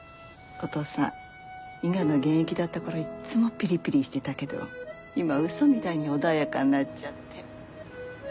お父さん伊賀の現役だったころいっつもぴりぴりしてたけど今嘘みたいに穏やかになっちゃって。